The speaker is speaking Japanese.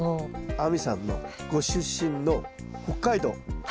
亜美さんのご出身の北海道。